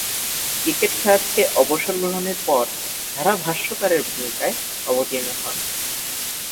Cricket খেলা থেকে অবসর গ্রহণের পর ধারাভাষ্যকারের ভূমিকায় অবতীর্ণ হন।